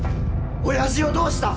親父をどうした！？